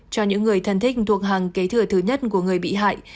cho những người thân thích thuộc hàng kế thừa thứ nhất của người bị hại